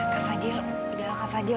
kak fadil udah lah kak fadil